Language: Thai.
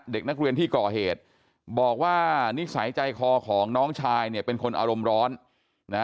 เด็กนักเรียนที่ก่อเหตุบอกว่านิสัยใจคอของน้องชายเนี่ยเป็นคนอารมณ์ร้อนนะ